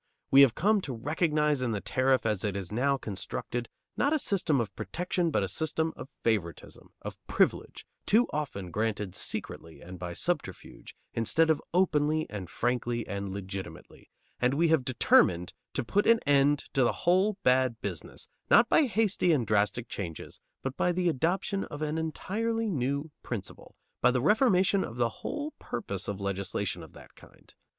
We have come to recognize in the tariff as it is now constructed, not a system of protection, but a system of favoritism, of privilege, too often granted secretly and by subterfuge, instead of openly and frankly and legitimately, and we have determined to put an end to the whole bad business, not by hasty and drastic changes, but by the adoption of an entirely new principle, by the reformation of the whole purpose of legislation of that kind.